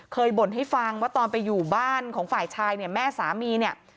บ่นให้ฟังว่าตอนไปอยู่บ้านของฝ่ายชายเนี่ยแม่สามีเนี่ย